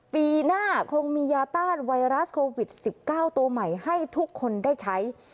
ปีหน้าคงมียาต้านไวรัสโควิด๑๙ตัวใหม่ให้ทุกคนได้ใช้